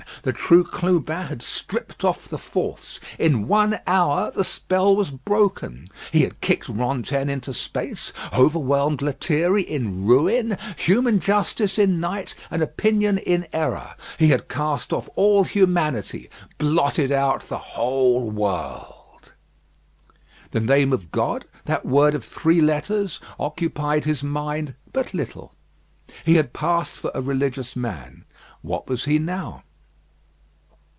The true Clubin had stripped off the false. In one hour the spell was broken. He had kicked Rantaine into space; overwhelmed Lethierry in ruin; human justice in night, and opinion in error. He had cast off all humanity; blotted out the whole world. The name of God, that word of three letters, occupied his mind but little. He had passed for a religious man. What was he now?